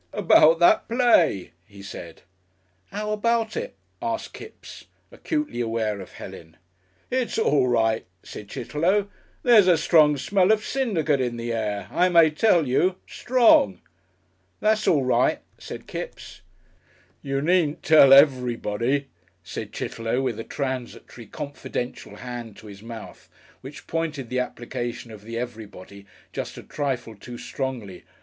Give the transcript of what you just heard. "About that play," he said. "'Ow about it?" asked Kipps, acutely aware of Helen. "It's all right," said Chitterlow. "There's a strong smell of syndicate in the air, I may tell you Strong." "That's aw right," said Kipps. "You needn't tell everybody," said Chitterlow with a transitory, confidential hand to his mouth, which pointed the application of the "everybody" just a trifle too strongly.